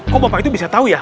kok bapak itu bisa tahu ya